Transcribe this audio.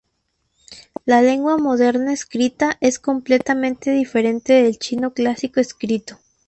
La lengua moderna escrita es completamente diferente del chino clásico escrito.